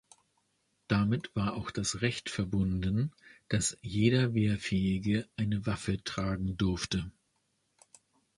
Damit war auch das Recht verbunden, dass jeder Wehrfähige eine Waffe tragen durfte.